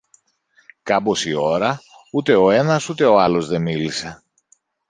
Κάμποση ώρα ούτε ο ένας ούτε ο άλλος δε μίλησε.